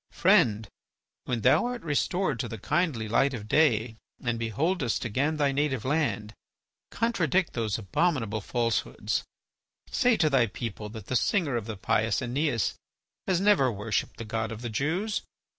Friend, when thou art restored to the kindly light of day and beholdest again thy native land, contradict those abominable falsehoods. Say to thy people that the singer of the pious Æneas has never worshipped the god of the Jews.